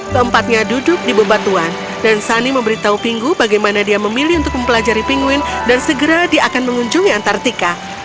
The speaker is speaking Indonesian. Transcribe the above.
keempatnya duduk di bebatuan dan sani memberitahu pingu bagaimana dia memilih untuk mempelajari pinguin dan segera dia akan mengunjungi antartika